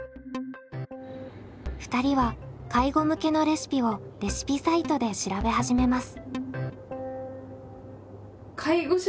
２人は介護向けのレシピをレシピサイトで調べ始めます。